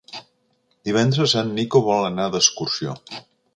Divendres en Nico vol anar d'excursió.